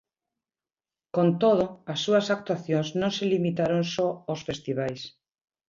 Con todo, as súas actuacións non se limitaron só aos festivais.